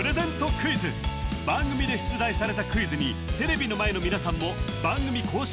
クイズ番組で出題されたクイズにテレビの前の皆さんも番組公式